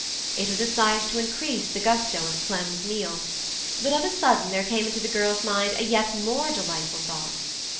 It was a sight to increase the gusto of Clem's meal, but of a sudden there came into the girl's mind a yet more delightful thought.